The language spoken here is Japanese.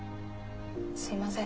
すいません。